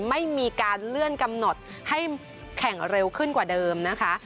ไม่มีการเลื่อนกำหนดให้แข่งเร็วขึ้นกว่าเดิมนะคะ